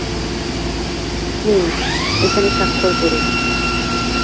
নিন, এখানে স্বাক্ষর করুন।